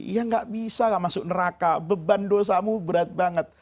ya gak bisa lah masuk neraka beban dosamu berat banget